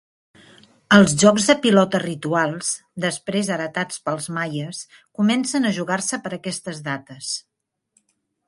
Els jocs de pilota rituals, després heretats pels maies, comencen a jugar-se per aquestes dates.